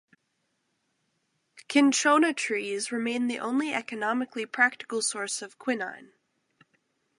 Cinchona trees remain the only economically practical source of quinine.